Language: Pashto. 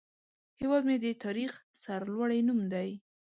هیواد مې د تاریخ سرلوړی نوم دی